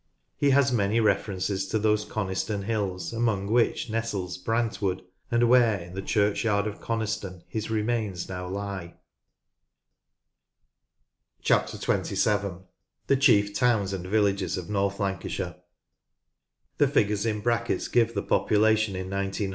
He has many references to those Coniston hills, among which nestles Brantwood, and where, in the churchyard of Coniston his remains now lie. 27. THE CHIEF TOWNS AND VILLAGES OF NORTH LANCASHIRE. (The figures in brackets give the population in 1901. C.B. = County Borough, M.